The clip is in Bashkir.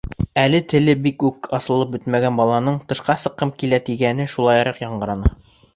Әле теле бик үк асылып бөтмәгән баланың: «Тышҡа сыҡҡым килә» тигәне шулайыраҡ яңғыраны.